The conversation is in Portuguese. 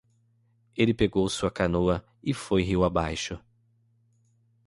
Ele pegou sua canoa e foi rio abaixo.